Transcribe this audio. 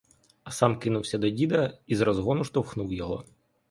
А сам кинувся до діда і з розгону штовхнув його.